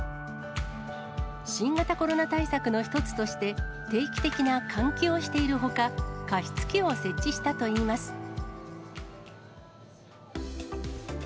新型コロナ対策の一つとして、定期的な換気をしているほか、加湿器を設置したといいます。